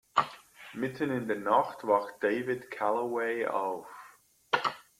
Mitten in der Nacht wacht David Callaway auf.